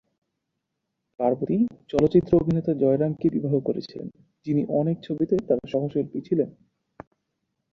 পার্বতী চলচ্চিত্র অভিনেতা জয়রাম কে বিবাহ করেছিলেন, যিনি অনেক ছবিতে তাঁর সহশিল্পী ছিলেন।